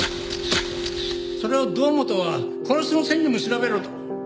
それを堂本は殺しの線でも調べろと。